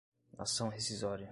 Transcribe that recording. ação rescisória